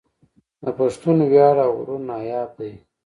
د پښتون وياړ او غرور ناياب دی